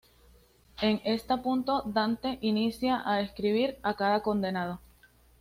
En esta punto Dante inicia a describir a cada condenado.